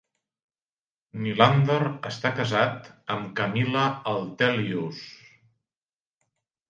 Nylander està casat amb Camilla Altelius.